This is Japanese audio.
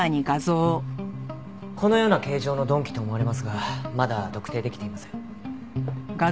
このような形状の鈍器と思われますがまだ特定できていません。